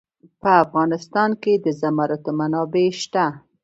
په افغانستان کې د زمرد منابع شته.